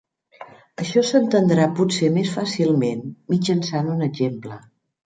Això s'entendrà potser més fàcilment mitjançant un exemple.